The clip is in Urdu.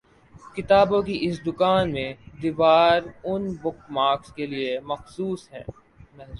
کتابوں کی اس دکان میں یہ دیوار اُن بک مارکس کےلیے مخصوص ہے